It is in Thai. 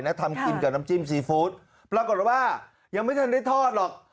ทำกินกับน้ำจิ้มซีฟู้ดปรากฏว่ายังไม่ทันได้ทอดหรอก